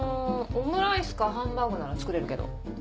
オムライスかハンバーグなら作れるけど。